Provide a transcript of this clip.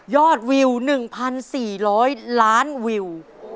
วิว๑๔๐๐ล้านวิว